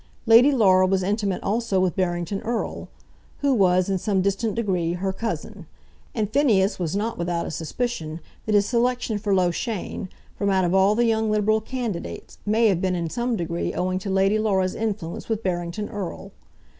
Lady Laura was intimate also with Barrington Erle, who was, in some distant degree, her cousin; and Phineas was not without a suspicion that his selection for Loughshane, from out of all the young liberal candidates, may have been in some degree owing to Lady Laura's influence with Barrington Erle.